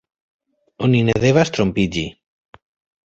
Oni ne devas trompiĝi.